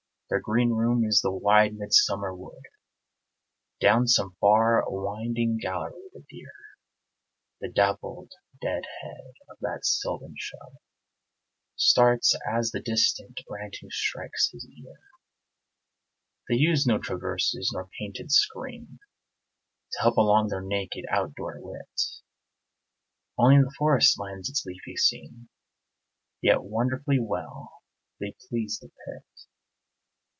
Their green room is the wide midsummer wood; Down some far winding gallery the deer The dappled dead head of that sylvan show Starts as the distant ranting strikes his ear. They use no traverses nor painted screen To help along their naked, out door wit: (Only the forest lends its leafy scene) Yet wonderfully well they please the pit.